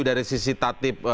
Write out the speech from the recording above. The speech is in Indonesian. dari sisi tatip